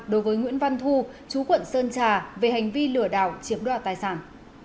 người nguyễn văn thu chú quận sơn trà về hành vi lửa đảo chiếm đoạt tài sản